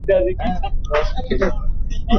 কিন্তু তাই বলে নবুওয়াতের দাবী এই বংশের লোক করবে কেন?